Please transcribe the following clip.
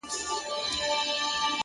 ریښتینی عزت په کردار ترلاسه کېږي